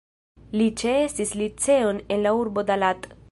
Li ĉeestis liceon en la urbo Da Lat.